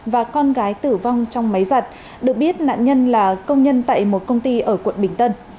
và con gái tử vong trong máy giặt được biết nạn nhân là công nhân tại một công ty ở quận bình tân